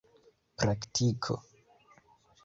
praktiko